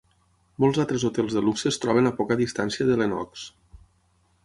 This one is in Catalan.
Molts altres hotels de luxe es troben a poca distància de Lenox.